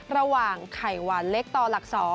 ระหว่างไข่หวานเล็กต่อหลัก๒